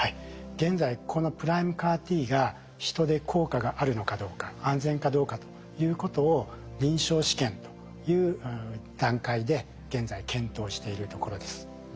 現在このＰＲＩＭＥＣＡＲ−Ｔが人で効果があるのかどうか安全かどうかということを臨床試験という段階で現在検討しているところです。